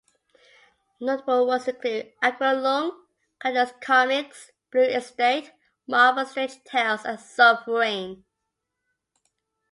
Notable works include, Aqua Leung, Catalyst Comix, Blue Estate, Marvel Strange Tales and Sovereign.